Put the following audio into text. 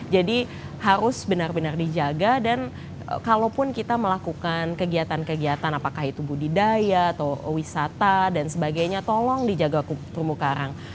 jadi harus benar benar dijaga dan kalaupun kita melakukan kegiatan kegiatan apakah itu budidaya atau wisata dan sebagainya tolong dijaga terumbu karang